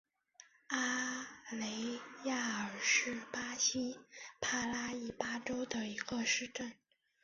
阿雷亚尔是巴西帕拉伊巴州的一个市镇。